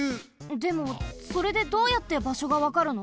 でもそれでどうやってばしょがわかるの？